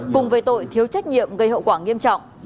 cùng về tội thiếu trách nhiệm gây hậu quả nghiêm trọng